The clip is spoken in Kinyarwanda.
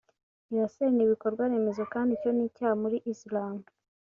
irasenya ibikorwa remezo kandi icyo ni icyaha muri Islam